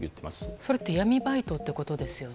それって闇バイトってことですよね。